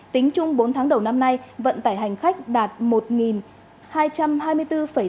tính chung bốn tháng đầu năm nay vận tải hành khách đạt một hai nghìn luật người